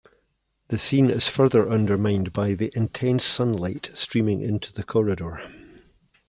The scene is further undermined by the intense sunlight streaming into the corridor.